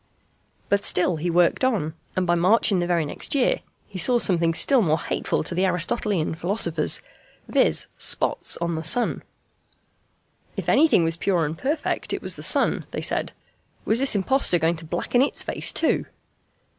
But still he worked on, and by March in the very next year, he saw something still more hateful to the Aristotelian philosophers, viz. spots on the sun. [Illustration: FIG. 48.] If anything was pure and perfect it was the sun, they said. Was this impostor going to blacken its face too?